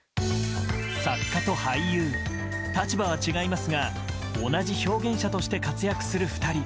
作家と俳優、立場は違いますが同じ表現者として活躍する２人。